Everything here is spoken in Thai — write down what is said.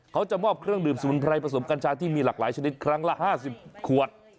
เขาจะมอบเครื่องดื่มสมุนไพรผสมกัญชาที่มีหลากหลายชนิดครั้งละ๕๐ขวด